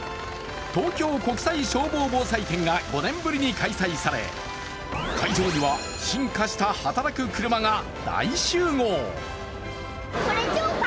東京国際消防防災展が５年ぶりに開催され、会場には進化したはたらく車が大集合。